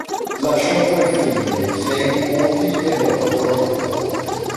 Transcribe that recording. Lasciò tre figlie, sei nipoti ed otto pronipoti.